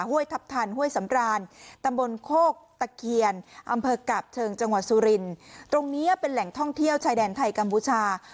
ห้วยทัพทันห้วยสำรานตำบลโคกตะเคียนอำเภอกาบเชิงจังหวัดสุรินตรงเนี้ยเป็นแหล่งท่องเที่ยวชายแดนไทยกัมพูชา